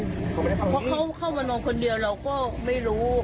เพราะเขาเข้ามานมคนเดียวเราก็ไม่รู้